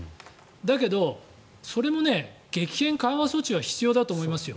だけどそれも激変緩和措置は必要だと思いますよ。